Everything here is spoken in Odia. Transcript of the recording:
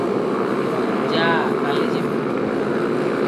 ଯା – କାଲି ଯିବୁ।